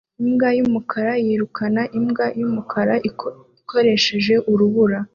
Imbwa yumukara yirukana imbwa yumukara ikoresheje urubura